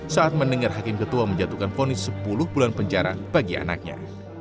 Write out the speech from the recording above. saat mendengar hakim ketua menjatuhkan fonis sepuluh bulan penjara bagi anaknya